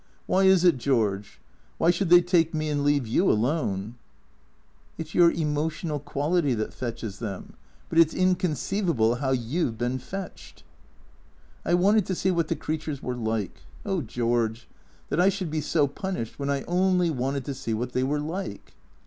Why is it, George ? Why should they take me and leave you alone ?"" It's your emotional quality that fetches them. But it's in conceivable how you 've been fetched." " I wanted to see what the creatures were like. Oh, George, THE C R E A 1^ 0 K S 121 that I should be so punished when I only wanted to see what they were like."